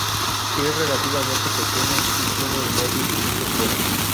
Es relativamente pequeña y tiene el muelle visible fuera.